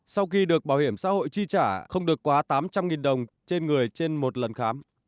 sau khi được bảo hiểm xã hội chi trả không được quá tám trăm linh đồng trên người trên một lần khám